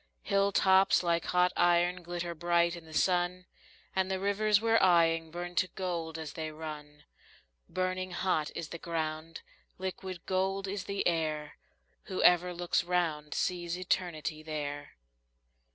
Hill tops like hot iron glitter bright in the sun, And the rivers we're eying burn to gold as they run; Burning hot is the ground, liquid gold is the air; Whoever looks round sees Eternity there.